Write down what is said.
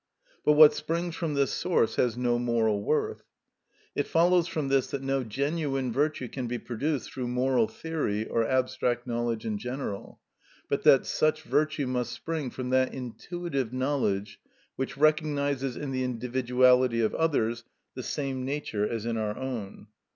But what springs from this source has no moral worth. It follows from this that no genuine virtue can be produced through moral theory or abstract knowledge in general, but that such virtue must spring from that intuitive knowledge which recognises in the individuality of others the same nature as in our own.